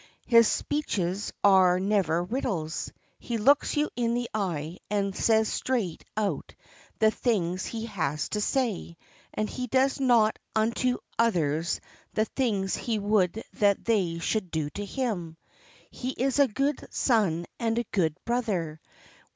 His speeches are never riddles. He looks you in the eye and says straight out the things he has to say, and he does unto others the things he would that they should do to him. He is a good son and a good brother.